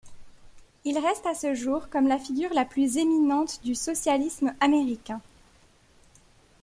Il reste à ce jour comme la figure la plus éminente du socialisme américain.